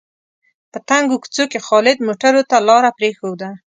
په تنګو کوڅو کې خالد موټرو ته لاره پرېښوده.